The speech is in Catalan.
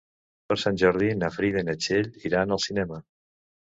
Per Sant Jordi na Frida i na Txell iran al cinema.